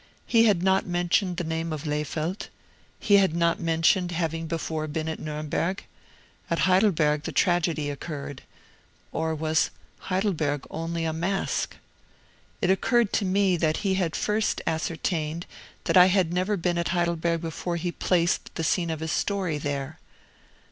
He had not mentioned the name of Lehfeldt. He had not mentioned having before been at Nuremberg. At Heidelberg the tragedy occurred or was Heidelberg only a mask? It occurred to me that he had first ascertained that I had never been at Heidelberg before he placed the scene of his story there.